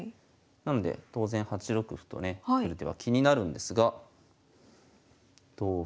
なので当然８六歩とねくる手は気になるんですが同歩。